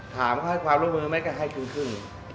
ถามให้ความร่วมมือไหมก็ให้ครึ่ง